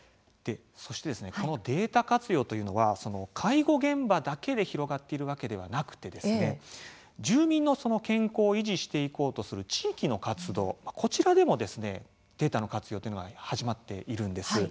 そしてこのデータ活用というのは介護現場だけで広がっているわけではなくて住民の健康を維持していこうとする地域の活動、こちらでもデータの活用というのが始まっているんです。